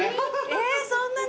えそんなに？